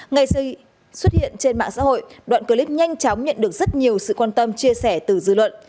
ngày xuất hiện trên mạng xã hội đoạn clip nhanh chóng nhận được rất nhiều sự quan tâm chia sẻ từ dư luận